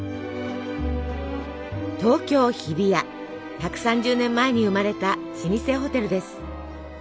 １３０年前に生まれた老舗ホテルです。